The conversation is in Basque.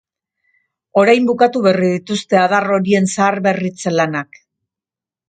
Orain bukatu berri dituzte adar horien zaharberritze lanak.